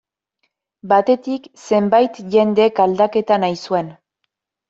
Batetik, zenbait jendek aldaketa nahi zuen.